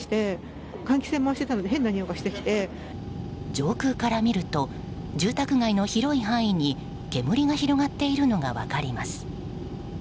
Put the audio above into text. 上空から見ると住宅街の広い範囲に煙が広がっているのが分かります。